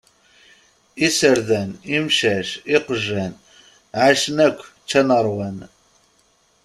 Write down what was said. Iserdan, imcac, iqjan, εacen yakk, ččan ṛwan.